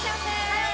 はい！